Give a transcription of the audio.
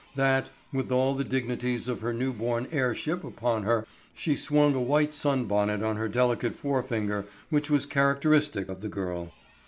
That, with all the dignities of her new born heirship upon her, she swung a white sunbonnet on her delicate forefinger was characteristic of the girl.